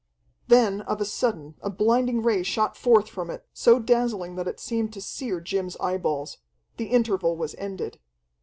Then of a sudden a blinding ray shot forth from it, so dazzling that it seemed to sear Jim's eyeballs. The interval was ended.